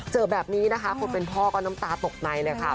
เจอแบบนี้นะคะคนเป็นพ่อก็น้ำตาตกในเลยค่ะ